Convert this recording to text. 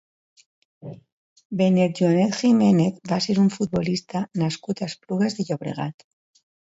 Benet Joanet Jiménez va ser un futbolista nascut a Esplugues de Llobregat.